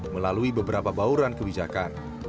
melalui beberapa bauran kebijakan